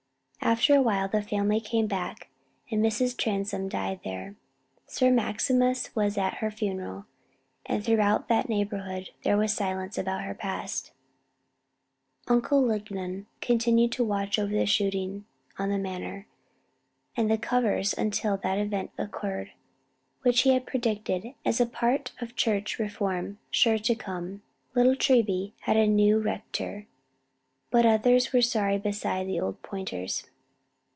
After a while the family came back, and Mrs. Transome died there. Sir Maximus was at her funeral, and throughout that neighborhood there was silence about the past. Uncle Lingon continued to watch over the shooting on the Manor and the covers until that event occurred which he had predicted as a part of Church reform sure to come. Little Treby had a new rector, but others were sorry besides the old pointers.